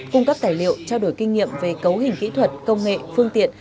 cung cấp tài liệu trao đổi kinh nghiệm về cấu hình kỹ thuật công nghệ phương tiện